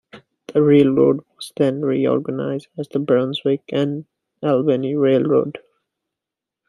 The railroad was then reorganized as the Brunswick and Albany Railroad.